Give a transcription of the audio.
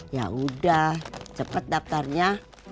yaudah cepet daftarnya